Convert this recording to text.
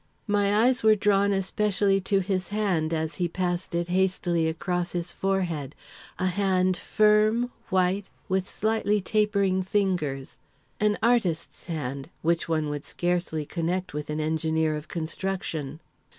My eyes were drawn especially to his hand as he passed it hastily across his forehead a hand firm, white, with slightly tapering fingers an artist's hand which one would scarcely connect with an engineer of construction.